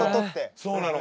そうなの。